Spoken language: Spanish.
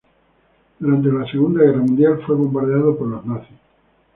Durante la Segunda Guerra Mundial, fue bombardeado por los nazis.